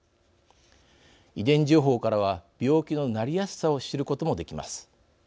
遺伝情報からは病気のなりやすさを知ることもできます。